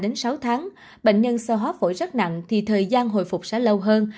trong khám hô hấp bệnh nhân sơ hóa phổi rất nặng thì thời gian hồi phục sẽ lâu hơn